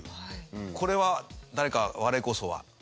これは誰か我こそは。